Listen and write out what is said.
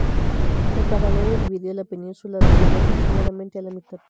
El paralelo dividió a la península de Corea aproximadamente a la mitad.